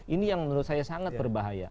ini yang menurut saya sangat berbahaya